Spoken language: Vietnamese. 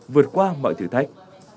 vượt qua mọi thử thách